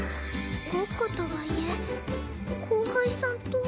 ごっことはいえ後輩さんと。